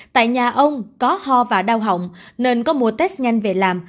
tại nhà ông có ho và đau hỏng nên có mua test nhanh về làm